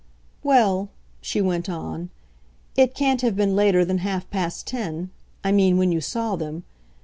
"Well," she went on, "it can't have been later than half past ten I mean when you saw them.